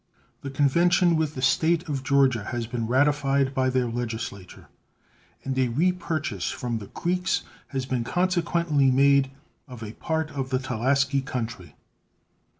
The convention with the State of Georgia has been ratified by their legislature, and a repurchase from the Creeks has been consequently made of a part of the Talasscee country.